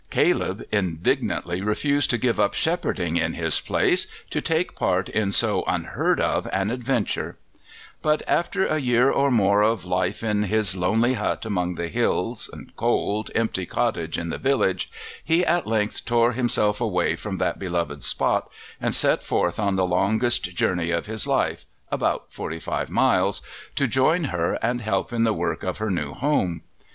Caleb indignantly refused to give up shepherding in his place to take part in so unheard of an adventure; but after a year or more of life in his lonely hut among the hills and cold, empty cottage in the village, he at length tore himself away from that beloved spot and set forth on the longest journey of his life about forty five miles to join her and help in the work of her new home.